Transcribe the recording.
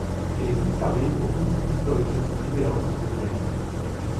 Elle est conservée au Kunsthistorisches Museum de Vienne.